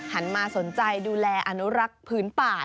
หันมาสนใจดูแลอนุรักษ์พื้นป่า